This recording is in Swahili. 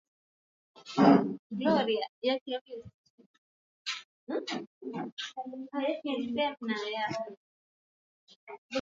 Kulingana na bei zilizotangazwa hivi karibuni na Mamlaka ya Udhibiti wa Huduma za Nishati na Maji, bei ya petroli na dizeli iliongezeka kwa shilingi mia tatu za Tanzania